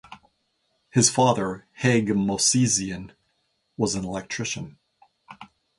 His father, Haig Mosesian, was an electrician.